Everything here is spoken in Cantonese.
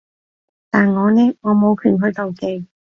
但我呢？我冇權去妒忌